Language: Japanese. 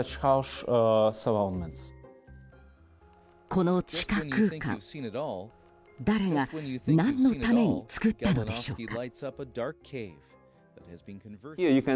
この地下空間誰が、何のために作ったのでしょうか。